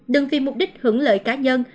đừng vì mục đích hưởng lợi cá nhân